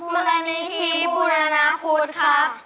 มุรณิทีปุณณาพุทธครับ